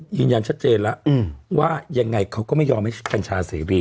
ยืนยันชัดเจนแล้วว่ายังไงเขาก็ไม่ยอมให้กัญชาเสรี